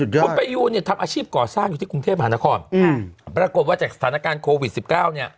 คุณประยูนเนี่ยทำอาชีพก่อสร้างอยู่ที่กรุงเทพหานครปรากฏว่าจากสถานการณ์โควิดสิบเก้าเนี่ย